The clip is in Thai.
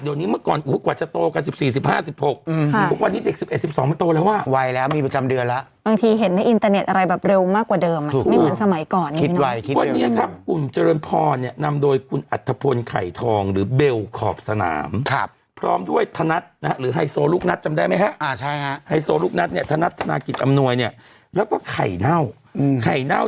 แล้วก็จะดำเนินการเนี่ยเขาต้องไปรวบรวมรายชื่อของคนในประเทศไทยเนี่ย